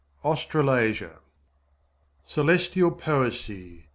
Australasia Celestial poesy!